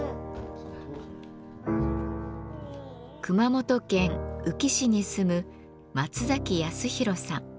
熊本県宇城市に住む松泰裕さん。